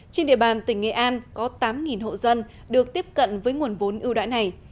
trên địa bàn tỉnh nghệ an có tám hộ dân được tiếp cận với nguồn vốn ưu đãi này